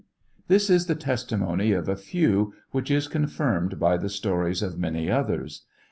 This is the testimony of a few, which is confirmed by the stones of many others.